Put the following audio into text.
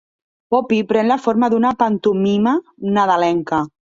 "Poppy" pren la forma d'una pantomima nadalenca.